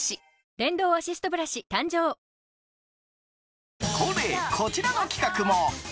電動アシストブラシ誕生恒例、こちらの企画も。